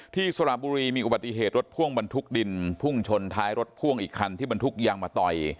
สระบุรีมีอุบัติเหตุรถพ่วงบรรทุกดินพุ่งชนท้ายรถพ่วงอีกคันที่บรรทุกยางมาต่อย